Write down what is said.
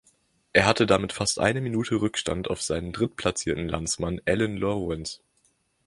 Er hatte damit fast eine Minute Rückstand auf seinen drittplatzierten Landsmann Allan Lawrence.